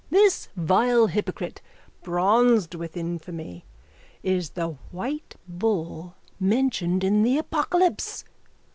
This vile hypocrite, bronzed with infamy, is the white bull mentioned in the Apocalypse.